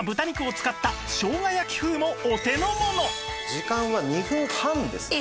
時間は２分半ですね。